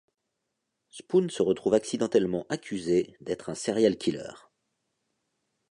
Spoon se retrouve accidentellement accusé d'être un serial killer.